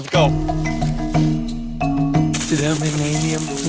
ครับ